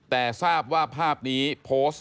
แต่ทราบว่าภาพนี้โพสต์